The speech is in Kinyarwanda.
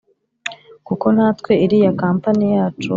kuko natwe iriya company yacu